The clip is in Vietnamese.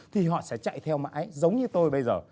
thì họ sẽ chạy theo mãi giống như tôi bây giờ